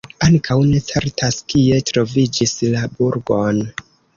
Ankaŭ ne certas, kie troviĝis la burgon.